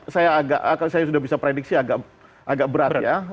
saya agak saya sudah bisa prediksi agak berat ya